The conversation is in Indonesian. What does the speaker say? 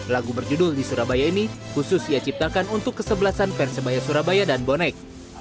lagu berjudul di surabaya ini khusus ia ciptakan untuk kesebelasan persebaya surabaya dan bonek